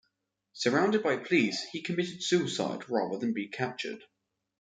Surrounded by police, he committed suicide, rather than be captured.